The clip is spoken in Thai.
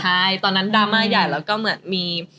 ใช่ตอนนั้นดราม่าใหญ่แล้วก็เหมือนมี